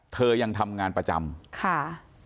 เธอยังทำงานประจำค่ะ